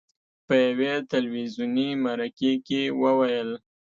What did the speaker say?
په یوې تلویزوني مرکې کې وویل: